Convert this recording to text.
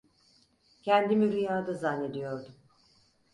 Kendimi rüyada zannediyordum.